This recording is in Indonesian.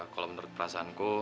kalo menurut perasaanku